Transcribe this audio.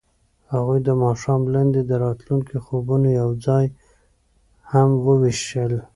هغوی د ماښام لاندې د راتلونکي خوبونه یوځای هم وویشل.